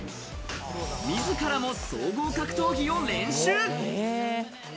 自らも総合格闘技を練習。